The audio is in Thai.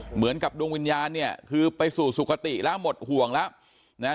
เหมือนกับดวงวิญญาณเนี่ยคือไปสู่สุขติแล้วหมดห่วงแล้วนะฮะ